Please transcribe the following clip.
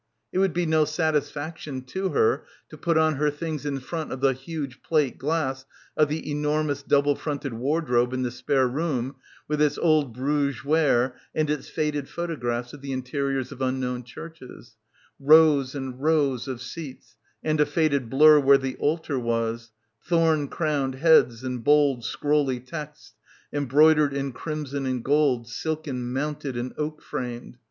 It would be no satisfaction to her to put on her things in front of the huge plate glass of the enormous double fronted wardrobe in the spare room with its old Bruges ware and its faded photographs of the interiors of unknown churches, rows and rows of seats and a faded blur where the altar was, thorn crowned heads and bold scrolly texts embroidered in crimson and gold silken mounted and oak framed.